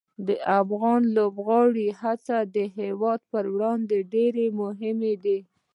د افغان لوبغاړو هڅې د هېواد پر وړاندې ډېره مهمه دي.